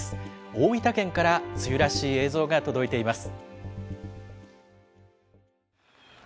大分県から梅雨らしい映像が届いています。